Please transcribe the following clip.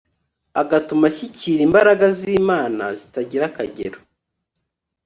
agatumashyikirimbaraga zlmana zitagirakagero